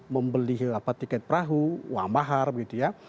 membeli tiket perahu uang mahar gitu ya